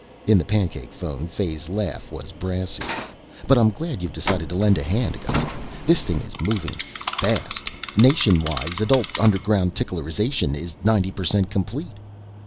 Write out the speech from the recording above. In the pancake phone Fay's laugh was brassy. "But I'm glad you've decided to lend a hand, Gussy. This thing is moving faaaasst. Nationwise, adult underground ticklerization is 90 per cent complete."